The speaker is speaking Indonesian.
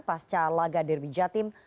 pasca laga derby jatim